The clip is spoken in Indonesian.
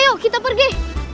ia yuk kita pergi